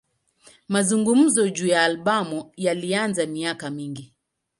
Mazungumzo juu ya albamu yalianza miaka mingi.